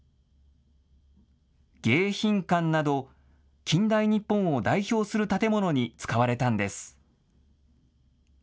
迎賓館など近代日本を代表する建物に使われたんです。